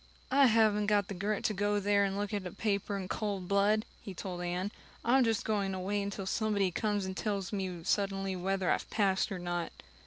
"I haven't got the grit to go there and look at a paper in cold blood," he told Anne. "I'm just going to wait until somebody comes and tells me suddenly whether I've passed or not."